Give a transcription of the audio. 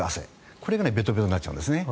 これがべとべとになっちゃうんですね。